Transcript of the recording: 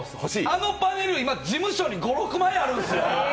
あのパネル、今、事務所に５６枚あるんですよ。